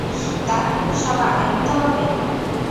তাহলে কি সব আগের মত হবে?